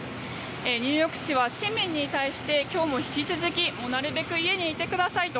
ニューヨーク市は市民に対して今日も引き続きなるべく家にいてくださいと。